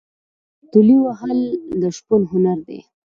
تولې وهل د شپون هنر دی.